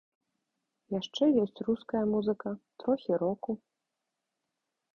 Яшчэ ёсць руская музыка, трохі року.